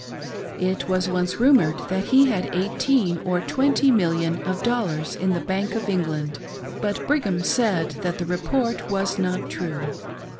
It was once rumored that he had eighteen or twenty millions of dollars in the Bank of Eng land; but Brigham said that the report was not true.